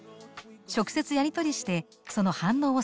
直接やり取りしてその反応を探ります。